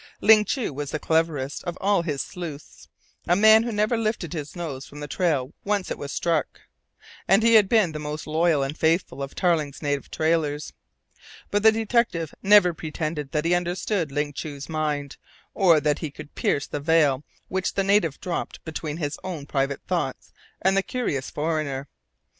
Ling Chu was the cleverest of all his sleuths, a man who never lifted his nose from the trail once it was struck, and he had been the most loyal and faithful of Tarling's native trailers. But the detective never pretended that he understood Ling Chu's mind, or that he could pierce the veil which the native dropped between his own private thoughts and the curious foreigner.